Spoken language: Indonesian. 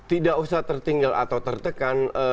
tidak usah tertinggal atau tertekan